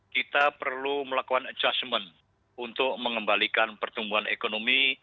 kita perlu melakukan adjustment untuk mengembalikan pertumbuhan ekonomi